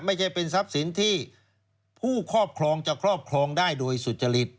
ไม่ใช่เป็นทรัพย์สินที่ผู้ครอบครองจะครอบครองได้โดยสุจริต